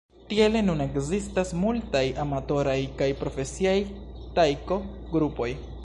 Tiele nun ekzistas multaj amatoraj kaj profesiaj Taiko-grupoj.